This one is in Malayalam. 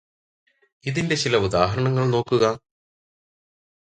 ഇതിന്റെ ചില ഉദാഹരണങ്ങൾ നോക്കുക.